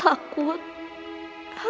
harus berpisah selamanya dari papa